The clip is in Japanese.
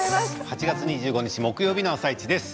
８月２５日木曜日の「あさイチ」です。